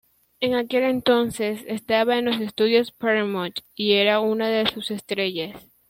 En aquel entonces estaba en los estudios Paramount y era una de sus estrellas.